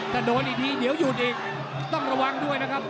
ถ้าโดนอีกทีเดี๋ยวหยุดอีกต้องระวังด้วยนะครับ